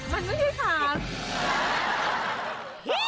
ไม่ใช่ขา